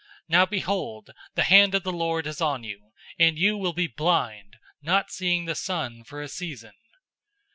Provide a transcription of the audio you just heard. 013:011 Now, behold, the hand of the Lord is on you, and you will be blind, not seeing the sun for a season!"